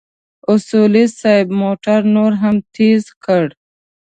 اصولي صیب موټر نور هم تېز کړ.